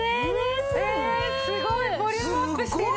すごいボリュームアップしてる！